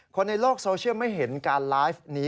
คนในโลกโซเชียลไม่เห็นการไลฟ์นี้